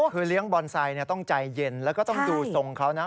คือเลี้ยงบอนไซค์ต้องใจเย็นแล้วก็ต้องดูทรงเขานะ